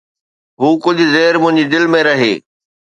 هو ڪجهه دير منهنجي دل ۾ رهي